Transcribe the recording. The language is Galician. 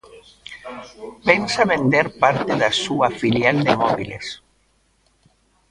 Pensa vender parte da súa filial de móbiles